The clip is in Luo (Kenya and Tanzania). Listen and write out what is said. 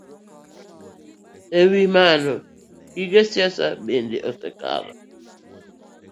E wi mano, gige siasa bende osekelo